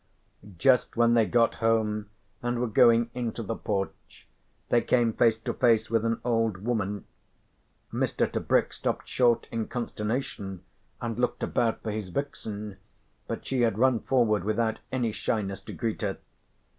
Just when they got home and were going into the porch they came face to face with an old woman. Mr. Tebrick stopped short in consternation and looked about for his vixen, but she had run forward without any shyness to greet her.